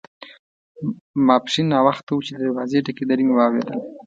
ماپښین ناوخته وو چې د دروازې ټکېدل مې واوریدل.